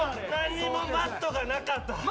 マットがなかった。